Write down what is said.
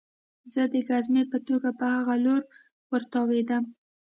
زه د ګزمې په توګه په هغه لور ورتاوېدم